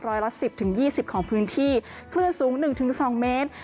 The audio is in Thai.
ร้อยละสิบถึงยี่สิบของพื้นที่คลื่นสูงหนึ่งถึงสองเมตร